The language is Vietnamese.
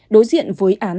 đối diện với án